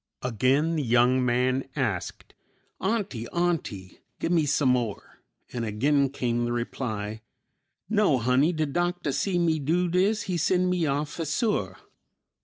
Again the young man asked, "Aunty, aunty, give me some more," and again came the reply, "No, honey, de doctah see me do dis, he send me off for suah."